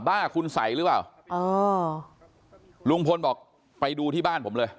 ้าคุณใส่หรือเปล่าอ๋อลุงพลบอกไปดูที่บ้านผมเลย